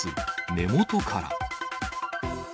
根元から。